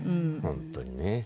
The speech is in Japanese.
本当にね。